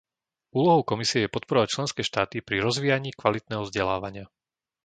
Úlohou Komisie je podporovať členské štáty pri rozvíjaní kvalitného vzdelávania.